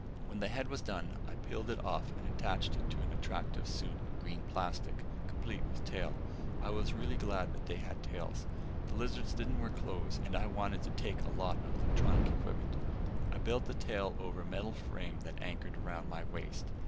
When the head was done, I peeled it off and attached it to an attractive suit of green plastic, complete with tail. I was really glad they had tails. The lizards didn't wear clothes and I wanted to take along a lot of electronic equipment. I built the tail over a metal frame that anchored around my waist.